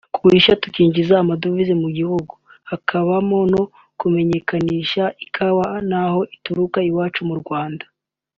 kugurisha tukinjiza amadovize mu gihugu hakabamo no kumenyekanisha kawa n’aho ituruka iwacu mu Rwanda